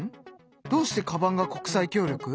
どうしてカバンが国際協力？